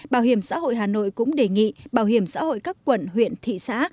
bảo hiểm xã hội hà nội cũng đề nghị bảo hiểm xã hội các quận huyện thị xã